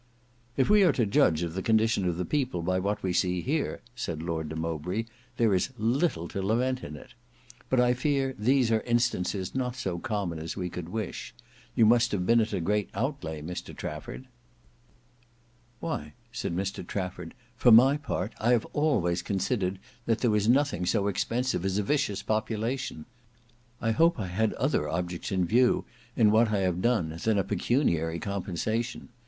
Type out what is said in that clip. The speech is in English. "If we are to judge of the condition of the people by what we see here," said Lord de Mowbray, "there is little to lament in it. But I fear these are instances not so common as we could wish. You must have been at a great outlay, Mr Trafford?" "Why," said Mr Trafford, "for my part. I have always considered that there was nothing so expensive as a vicious population. I hope I had other objects in view in what I have done than a pecuniary compensation.